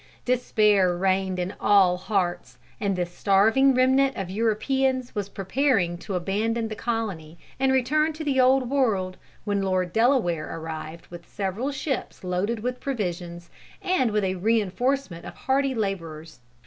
Despair reigned in all hearts, and this starving remnant of Europeans was preparing to abandon the colony and return to the Old World, when Lord Delaware arrived with several ships loaded with provisions and with a reinforcement of hardy laborers.